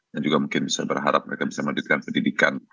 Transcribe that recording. dan juga mungkin bisa berharap mereka bisa mendapatkan pendidikan